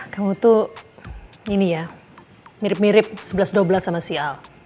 kamu tuh ini ya mirip mirip sebelas dua belas sama si al